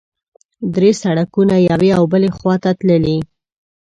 درې سړکونه یوې او بلې خوا ته تللي.